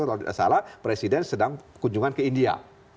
kalau tidak salah presiden sedang kunjungan ke india